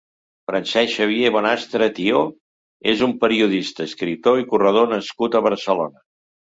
Francesc Xavier Bonastre Thió és un periodista, escriptor i corredor nascut a Barcelona.